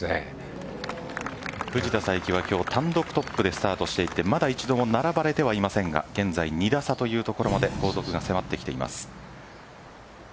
藤田さいきは今日単独トップでスタートしていてまだ一度も並ばれてはいませんが現在２打差というところまで後続が迫ってきています。